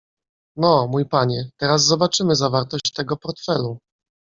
"No, mój panie, teraz zobaczymy zawartość tego portfelu."